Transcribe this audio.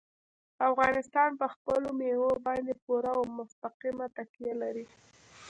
افغانستان په خپلو مېوو باندې پوره او مستقیمه تکیه لري.